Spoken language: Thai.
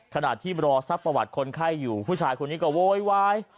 ขณะที่รอทรัพย์ประวัติคนไข้อยู่ผู้ชายคนนี้ก็โวยวาย